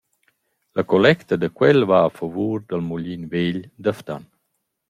La collecta da quel va a favur dal muglin vegl da Ftan.